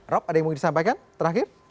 rob ada yang mungkin disampaikan terakhir